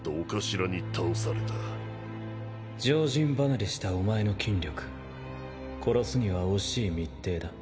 常人離れしたお前の筋力殺すには惜しい密偵だ